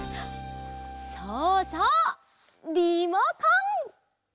そうそうリモコン！